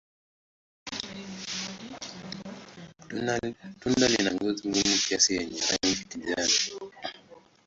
Tunda lina ngozi gumu kiasi yenye rangi ya kijani.